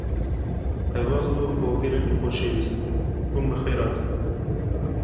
Heval û Hogirên Xoşewîst, hûn bi xêr hatin